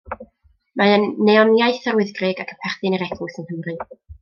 Mae yn neoniaeth Yr Wyddgrug, ac yn perthyn i'r Eglwys yng Nghymru.